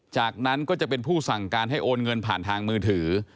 จากนั้นก็จะเป็นผู้สั่งการให้โอนเงินผ่านทางมือถือ